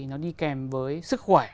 nó đi kèm với sức khỏe